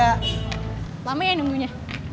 lama ya yang nunggunya